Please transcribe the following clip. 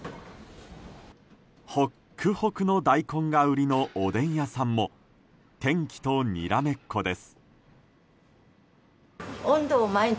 ほっくほくの大根が売りのおでん屋さんも天気とにらめっこです。